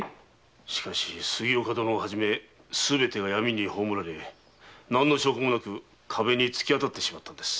しかし杉岡殿をはじめすべてが闇に葬られ何の証拠もなく壁に突き当たってしまったのです。